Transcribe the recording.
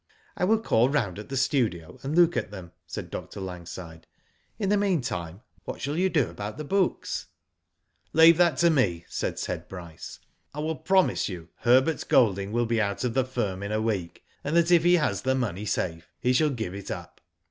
'^ I will call round at the studio and look at them," said Dr. Langside. "In the meantime what shall you do about the books?" Digitized byGoogk IN THE STUDIO, 227 '* Leave that to me," said Ted Bryce. " I will promise you, Herbert Golding will be out of the firm in a week, and that if he has the money safe he shall give it up."